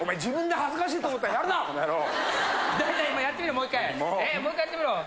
もう１回やってみろ。